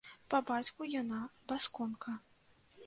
Па бацьку яна басконка.